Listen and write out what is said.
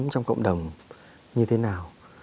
trong cộng đồng như thế nào